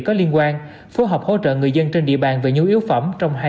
có liên quan phối hợp hỗ trợ người dân trên địa bàn về nhu yếu phẩm trong hai mươi